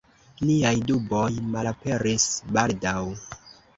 Niaj duboj malaperis baldaŭ.